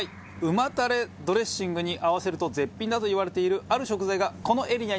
旨たれドレッシングに合わせると絶品だと言われているある食材がこのエリアにあります。